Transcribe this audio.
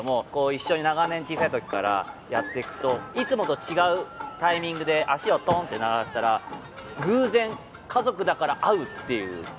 一緒に長年小さいときからやってくといつもと違うタイミングで足をとんって鳴らしたら偶然家族だから合うっていう。